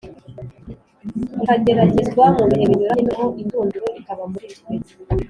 Ikageragezwa mu bihe binyuranye noneho indunduro ikaba muri twe